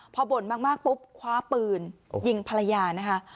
พอบ่นมากปุ๊บคว้าปืนยิงภรรยานะคะ